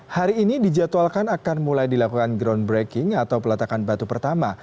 hari ini dijadwalkan akan mulai dilakukan groundbreaking atau peletakan batu pertama